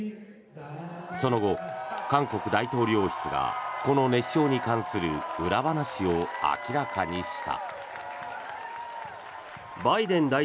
その後、韓国大統領室がこの熱唱に関する裏話を明らかにした。